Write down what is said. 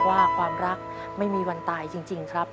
ว่าความรักไม่มีวันตายจริงครับ